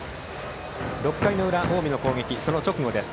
６回の裏、近江の攻撃その直後です。